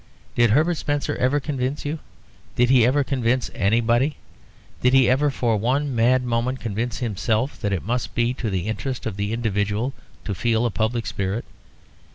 Did Herbert Spencer ever convince you did he ever convince anybody did he ever for one mad moment convince himself that it must be to the interest of the individual to feel a public spirit?